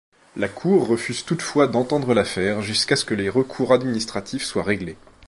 La Cour refuse toutefois d'entendre l'affaire jusqu'à ce que les recours administratifs soient réglés.